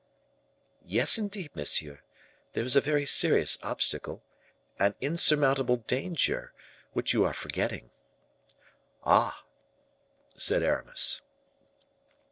"Yes, indeed, monsieur; there is a very serious obstacle, an insurmountable danger, which you are forgetting." "Ah!" said Aramis.